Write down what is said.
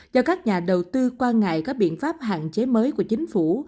do các nhà đầu tư quan ngại các biện pháp hạn chế mới của chính phủ